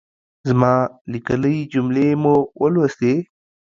زما ليکلۍ جملې مو ولوستلې؟